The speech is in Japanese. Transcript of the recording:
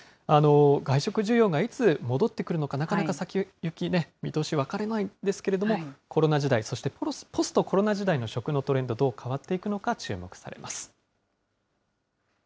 外食需要がいつ戻ってくるのか、なかなか先行きね、見通し分からないですけれども、コロナ時代、そしてポストコロナ時代の食のトレンド、どう変わっていくのか注目されます。